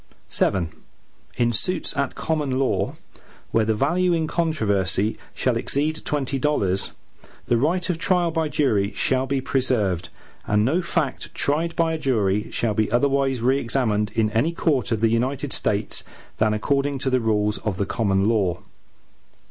VII In suits at common law, where the value in controversy shall exceed twenty dollars, the right of trial by jury shall be preserved, and no fact tried by a jury shall be otherwise re examined in any court of the United States, than according to the rules of the common law.